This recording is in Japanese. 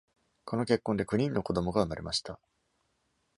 この結婚で、九人の子供が生まれました。